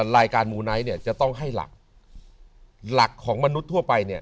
รายการมูไนท์เนี่ยจะต้องให้หลักหลักของมนุษย์ทั่วไปเนี่ย